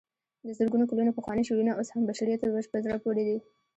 د زرګونو کلونو پخواني شعرونه اوس هم بشریت ته په زړه پورې دي.